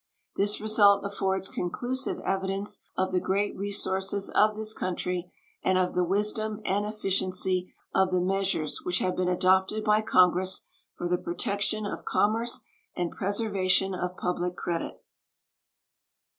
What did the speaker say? This result affords conclusive evidence of the great resources of this country and of the wisdom and efficiency of the measures which have been adopted by Congress for the protection of commerce and preservation of public credit.